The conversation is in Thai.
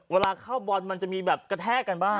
เวลาเข้าบอลมันจะมีแบบกระแทกกันบ้าง